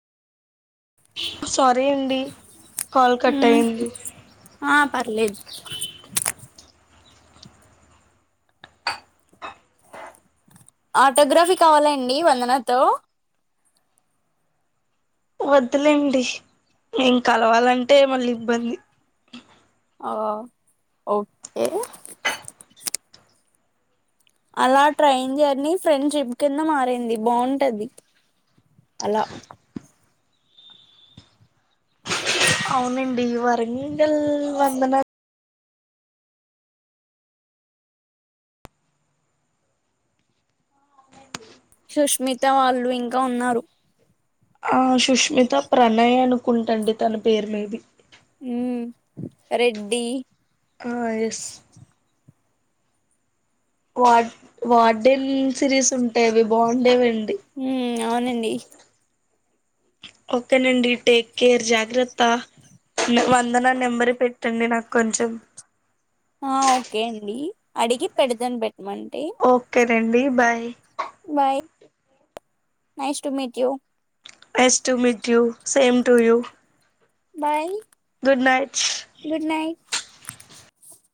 sorry అండి call cut మ్మ్ అయింది ఆ పర్లేదు ఆటోగ్రఫీ కావాలండి వందనతో వదులేండి మేం కలవాలంటే మళ్ళీ ఇబ్బంది ఆ ఓకే అలా ట్రైన్ జర్ని ఫ్రెండ్ ట్రిప్ కింద మారింది బాగుంటది అల అవునండి వరంగల్ వందన సుష్మిత వాళ్ళు ఇంకా ఉన్నారు ఆ సుష్మిత, ప్రణయ్ అనుకుంటాండి తన పేరు మేబి ఊ రెడ్డి ఆ ఎస్ వా వాడిల్ సిరీస్ ఉంటాయివి బాగుండేవి అండి మ్మ్ అవునండి ఓకేనండి టేక్ కేర్ జాగ్రత్త వందనా నెంబర్ పెట్టండి నాకు కొంచం ఆ ఓకే అండి అడిగి పెడదని పెట్టమంటే ఒకే అండి bye bye nice to meet you nice to meet you same to you bye good night good night